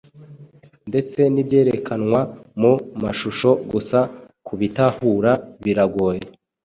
ndetse n’ibyerekanywa mu mashusho gusa kubitahura biragoye